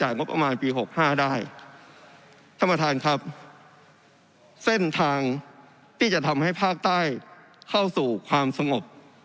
สมบัติครับเส้นทางที่จะทำให้ภาคใต้เข้าสู่ความสงบ